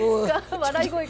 笑い声が。